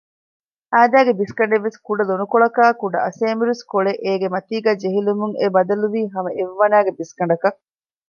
އާދައިގެ ބިސްގަނޑެއްވެސް ކުޑަ ލޮނުކޮޅަކާއި ކުޑަ އަސޭމިރުސްކޮޅެއް އޭގެ މަތީގައި ޖެހިލުމުން އެ ބަދަލުވީ ހަމަ އެއްވަނައިގެ ބިސްގަނޑަކަށް